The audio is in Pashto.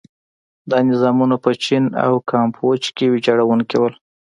دا نظامونه په چین او کامبوج کې ویجاړوونکي وو.